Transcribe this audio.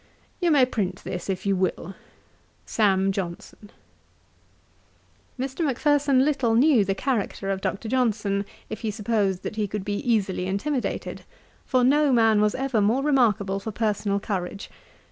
You may print this if you will. 'SAM. JOHNSON.' Mr. Macpherson little knew the character of Dr. Johnson, if he supposed that he could be easily intimidated; for no man was ever more remarkable for personal courage.